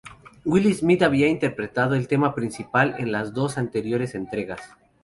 Will Smith había interpretado el tema principal en las dos anteriores entregas.